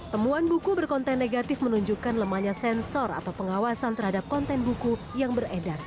temuan buku berkonten negatif menunjukkan lemahnya sensor atau pengawasan terhadap konten buku yang beredar